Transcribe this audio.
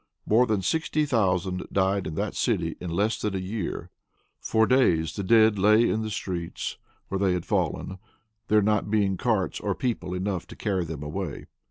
More than sixty thousand died in that city in less than a year. For days the dead lay in the streets where they had fallen, there not being carts or people enough to carry them away.